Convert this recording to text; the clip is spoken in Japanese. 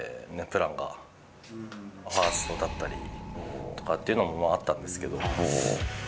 ファーストだったりとかっていうのもあったんですけど。